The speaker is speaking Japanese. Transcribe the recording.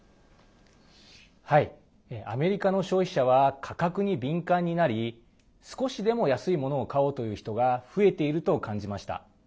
アメリカの消費者は価格に敏感になり少しでも安いものを買おうという人が増えていると感じました。